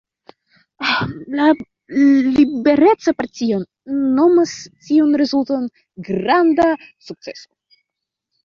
La Libereca Partio nomas tiun rezulton granda sukceso.